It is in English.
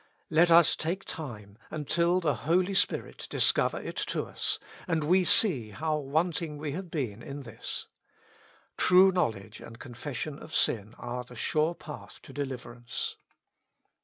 Let us take time, until the Holy Spirit discover it to us, and we see how wanting we have been in this. True knowledge and confession of sin are the sure path to deliverance.